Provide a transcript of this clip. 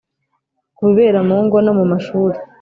ku bibera mu ngo no mu mashuri